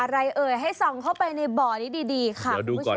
เอ่ยให้ส่องเข้าไปในบ่อนี้ดีค่ะคุณผู้ชม